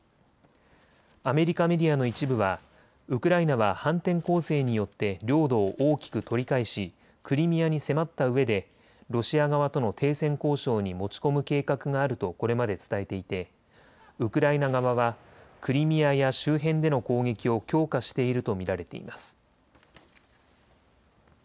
アメリカメディアの一部はウクライナは反転攻勢によって領土を大きく取り返しクリミアに迫ったうえでロシア側との停戦交渉に持ち込む計画があるとこれまで伝えていてウクライナ側はクリミアや周辺での攻撃を強化していると見られています。